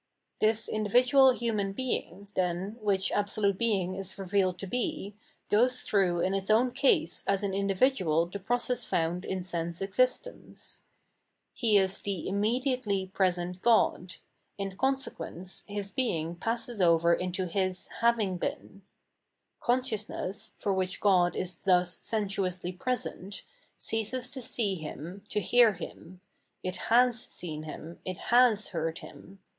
This individual human bemg, then, which Absolute Being is revealed to be, goes through in its own case as an individual the process found in sense existence. He is the immediatdy present Grod ; in consequence BQs being passes over into His having heen. Consciousness, for which God is thus sensuously present, ceases to see Hun, to hear Him : it has seen Him, it has heard Him.